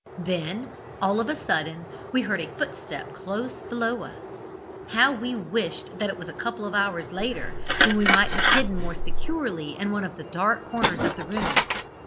Then, all of a sudden, we heard a footstep close below us. How we wished that it was a couple of hours later, when we might have hidden more securely in one of the dark corners of the room.